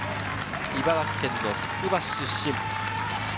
茨城県つくば市出身。